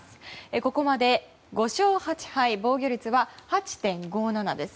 ここまで５勝８敗防御率は８．５７です。